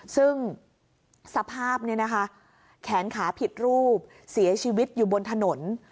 ซึ่งสภาพนี้นะคะแขนขาผิดรูปเสียชีวิตอยู่บนถนน